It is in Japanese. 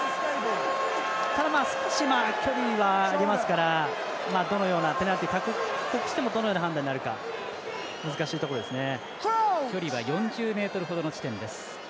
少し距離はありますからペナルティしてもどのような判断となるか難しいところですね。